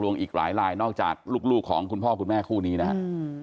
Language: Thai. เนี่ยไม่ได้ไปกดเต็ม